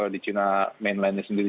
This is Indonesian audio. di cina mainline nya sendiri